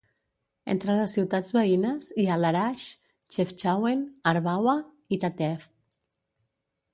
Entre les ciutats veïnes hi ha Larache, Chefchaouen, Arbawa i Tateft.